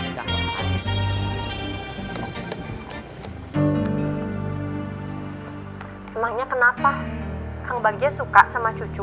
emangnya kenapa kang bagija suka sama cucu